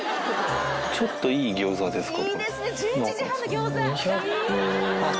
ちょっといいギョーザですか？